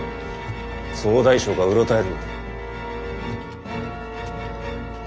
総大将がうろたえるな。